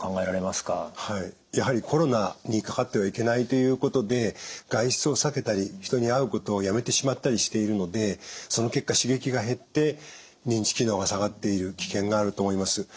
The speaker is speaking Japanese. やはりコロナにかかってはいけないということで外出を避けたり人に会うことをやめてしまったりしているのでその結果刺激が減って認知機能が下がっている危険があると思います。